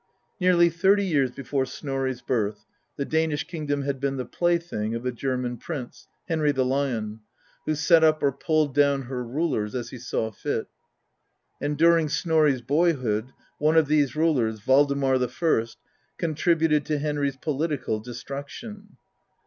Nearly thirty years before Snorri's birth, the Danish kingdom had been the plaything of a German prince, Henry the Lion, who set up or pulled down her rulers as he saw fit; and during Snorri's boyhood, one of these rulers, Valdamarr I, contributed to Flenry's political destruction.